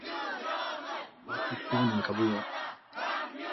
Mister Ghaus was born in Kabul.